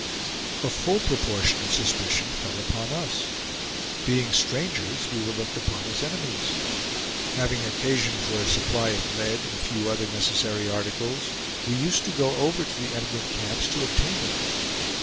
A full proportion of suspicion fell upon us. Being strangers we were looked upon as enemies. Having occasion for a supply of lead and a few other necessary articles, we used to go over to the emigrant camps to obtain them.